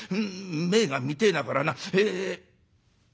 銘が見てえなこらな。え」。